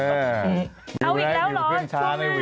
เอาอีกแล้วหรอช่วงหน้า